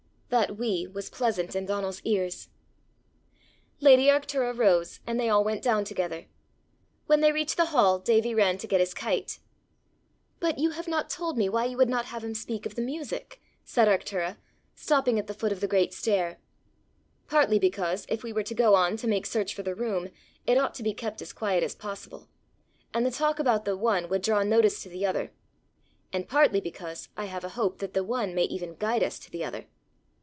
That we was pleasant in Donal's ears. Lady Arctura rose, and they all went down together. When they reached the hall, Davie ran to get his kite. "But you have not told me why you would not have him speak of the music," said Arctura, stopping at the foot of the great stair. "Partly because, if we were to go on to make search for the room, it ought to be kept as quiet as possible, and the talk about the one would draw notice to the other; and partly because I have a hope that the one may even guide us to the other."